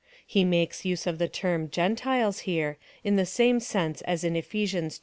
He makes use of the term Gentiles here, in the same sense as in Eph. ii. 12.